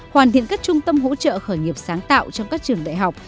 hoàn thiện các trung tâm hỗ trợ khởi nghiệp sáng tạo trong các trường đại học